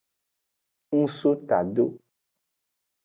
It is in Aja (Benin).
Ng so tado.